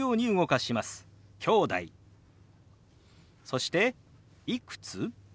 そして「いくつ？」。